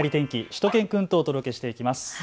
しゅと犬くんとお届けしていきます。